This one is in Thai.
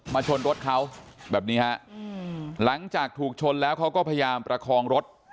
ชนรถเขาแบบนี้ฮะหลังจากถูกชนแล้วเขาก็พยายามประคองรถ